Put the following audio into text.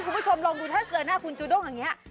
คุณผู้ชมลองดูถ้าเจอหน้าคุณจูด้งอย่างนี้